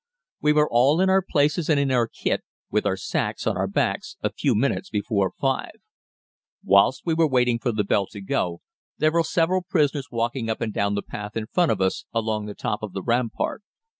We were all in our places and in our kit, with our sacks on our backs, a few minutes before five. Whilst we were waiting for the bell to go, there were several prisoners walking up and down the path in front of us, along the top of the rampart.